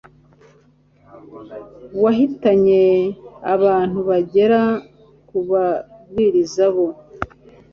wahitanye abantu bagera ku ababwiriza bo